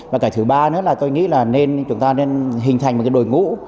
và cái thứ ba nữa là tôi nghĩ là nên chúng ta nên hình thành một cái đội ngũ